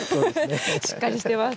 しっかりしてます。